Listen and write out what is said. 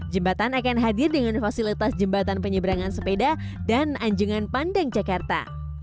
jembatan akan hadir dengan fasilitas jembatan penyeberangan sepeda dan anjungan pandang jakarta